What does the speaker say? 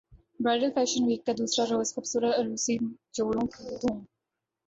bridal fashion week کا دوسرا روز خوبصورت عروسی جوڑوں کی دھوم